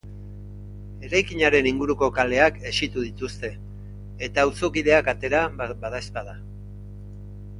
Eraikinaren inguruko kaleak hesitu dituzte, eta auzokideak atera, badaezpada.